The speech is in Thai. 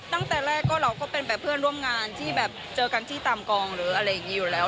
ตั้งแต่แรกก็เราก็เป็นแบบเพื่อนร่วมงานที่แบบเจอกันที่ตามกองหรืออะไรอย่างนี้อยู่แล้ว